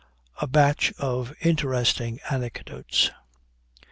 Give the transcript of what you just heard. A BATCH OF INTERESTING ANECDOTES.